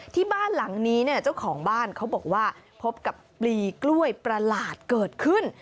ที่บ้านหลังนี้เนี่ยเจ้าของบ้านเขาบอกว่าพบกับปลีกล้วยประหลาดเกิดขึ้น